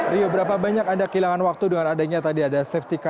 rio berapa banyak anda kehilangan waktu dengan adanya tadi ada safety car